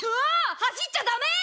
走っちゃダメ！